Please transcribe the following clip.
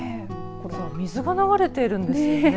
水が流れているんですよね。